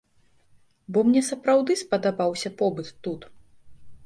Бо мне сапраўды спадабаўся побыт тут.